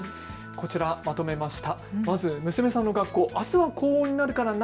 こちらにまとめました。